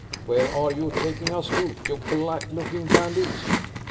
Where are you taking us to, you black looking bandit?"